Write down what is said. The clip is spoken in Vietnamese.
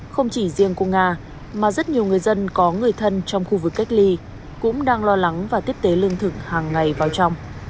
không chỉ riêng của nga mà rất nhiều người dân có người thân trong khu vực cách ly cũng đang lo lắng và tiếp tế lương thực hàng ngày vào trong